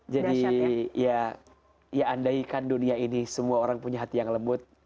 jadi ya ya andaikan dunia ini semua orang punya hati yang lembut